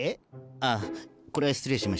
ああこれは失礼しました。